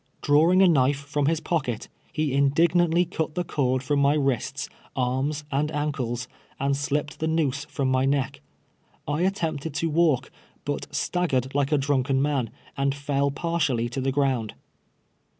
Drawing a knife from his pocket, he indignantly cut the c<ird from my wrists, arms, and ankles, and slipped the noose from my neck. I attempted to walk, but staggered like a drunken man, and fell par tially to the ground.